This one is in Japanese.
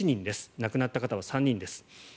亡くなった方は３人です。